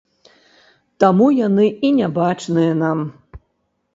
Таму яны і нябачныя нам.